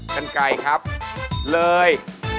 ข้างในครับเลย